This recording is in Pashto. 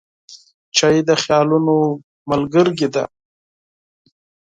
چای د خیالونو ملګری دی.